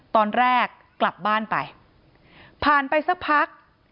ตอนแรกกลับบ้านไปผ่านไปสักพัก